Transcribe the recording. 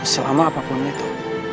selama apapun itu